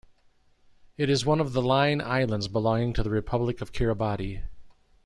It is one of the Line Islands belonging to the Republic of Kiribati.